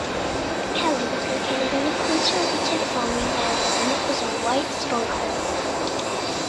Mikkeli was located in a conservative farming area and it was a White stronghold.